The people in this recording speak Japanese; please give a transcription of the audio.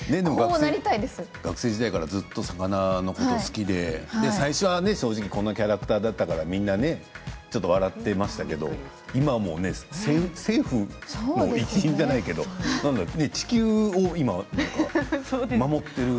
学生時代からずっと魚のことが好きで最初は正直こんなキャラクターだったからみんな笑っていましたけれども今は政府の一員じゃないけれど今は地球を守っている。